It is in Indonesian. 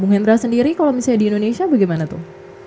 bung bung bung hendra sendiri kalau misalnya di indonesia bagaimana tuh